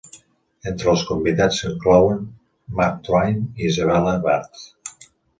Entre els convidats s'inclouen Mark Twain i Isabella Bird.